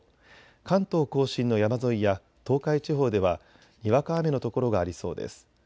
関東甲信の山沿いや東海地方ではにわか雨の所がありそうです。